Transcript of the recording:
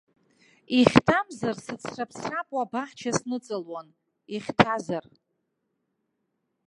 Ихьҭамзар, сыцраԥ-цраԥуа абаҳча сныҵалон, ихьҭазар.